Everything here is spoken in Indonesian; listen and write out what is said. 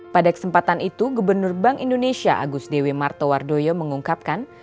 pada kesempatan itu gubernur bank indonesia agus dewi martowardoyo mengungkapkan